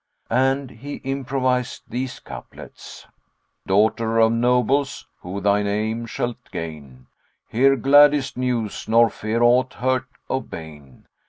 And he improvised these couplets, "Daughter of nobles, who thine aim shalt gain; * Hear gladdest news nor fear aught hurt of bane!